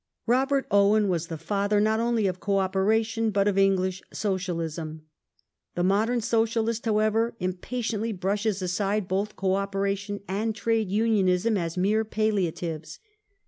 Robert Owen was the father not only of Co operation, but of English socialism. The modern socialist, however, impatiently brushes aside both Co operation and Trade Unionism as mere palliatives.